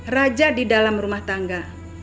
raja di dalam rumah tangga